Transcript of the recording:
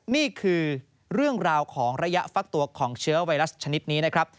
นี่คือเรื่องราวของระยะฟักตัวของเชื้อไวรัสชนิดนี้นะครับ